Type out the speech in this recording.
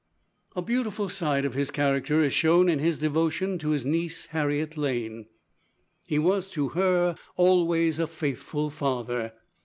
A beautiful side of his character is shown in his devotion to his niece, Harriet Lane. He was to her always a faithful father.